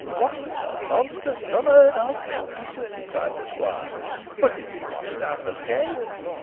"What a monstrous and unheard of villain!" cried the squire. "But is he one of the ambuscade?"